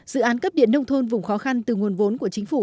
dự án cấp điện nông thôn vùng khó khăn từ nguồn vốn của chính phủ